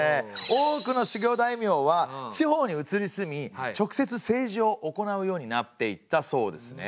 多くの守護大名は地方に移り住み直接政治をおこなうようになっていったそうですね。